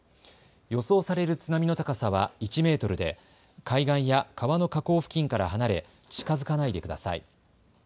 予想される津波の高さは１メートルで海岸や川の河口付近から離れ近づかないでください。